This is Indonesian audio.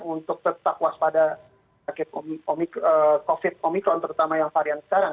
untuk tetap waspada covid sembilan belas omicron terutama yang varian sekarang